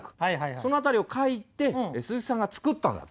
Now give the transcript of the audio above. そのあたりを書いて鈴木さんが作ったんだって。